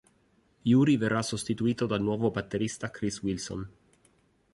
Yuri verrà sostituito dal nuovo batterista Chris Wilson.